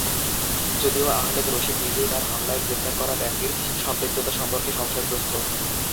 যদিও আহমেদ রশীদ নিজেই তাঁকে হামলায় গ্রেপ্তার করা ব্যক্তির সম্পৃক্ততা সম্পর্কে সংশয়গ্রস্ত।